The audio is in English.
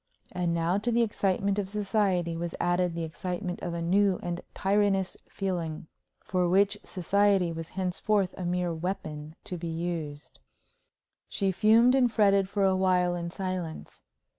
And now, to the excitement of society was added the excitement of a new and tyrannous feeling, for which society was henceforth a mere weapon to be used. She fumed and fretted for a while in silence.